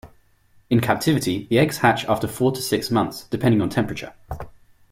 In captivity, the eggs hatch after four to six months, depending on temperature.